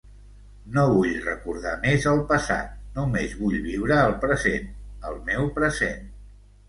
No vull recordar més el passat, només vull viure el present, el meu present.